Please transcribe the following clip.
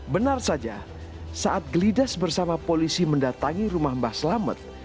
benar saja saat gelidas bersama polisi mendatangi rumah mbah selamet